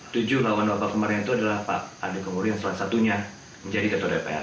tujuh lawan bapak kemarin itu adalah pak ade komudin salah satunya menjadi ketua dpr